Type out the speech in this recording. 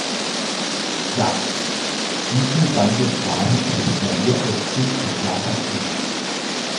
Satz, diesen sandte Brahms als Klavierauszug an Clara Schumann.